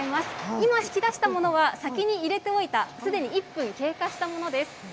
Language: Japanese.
今引き出したものは、先に入れておいた、すでに１分経過したものです。